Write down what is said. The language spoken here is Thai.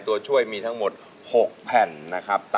ตัวช่วยมีทั้งหมด๖แผ่นนะครับ